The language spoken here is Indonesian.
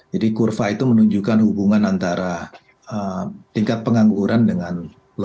jadi kurva itu menunjukkan hubungan antara tingkat pengangguran dengan luar